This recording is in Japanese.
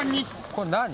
これ何？